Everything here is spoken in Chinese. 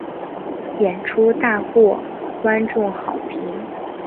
演出大获观众好评。